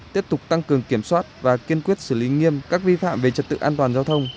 tiếp tục tăng cường kiểm soát và kiên quyết xử lý nghiêm các vi phạm về trật tự an toàn giao thông